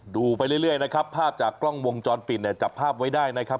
ดูไปเรื่อยนะครับภาพจากกล้องวงจรปิดเนี่ยจับภาพไว้ได้นะครับ